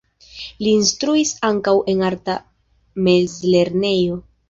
Li instruis ankaŭ en arta mezlernejo.